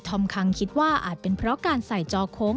อมคังคิดว่าอาจเป็นเพราะการใส่จอโค้ง